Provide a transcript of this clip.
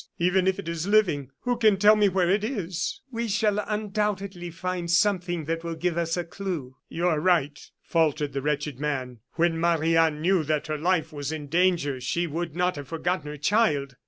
Even if it is living, who can tell me where it is?" "We shall undoubtedly find something that will give us a clew." "You are right," faltered the wretched man. "When Marie Anne knew that her life was in danger, she would not have forgotten her child.